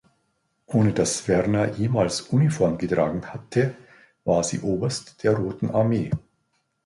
Ohne dass Werner jemals Uniform getragen hatte, war sie Oberst der Roten Armee.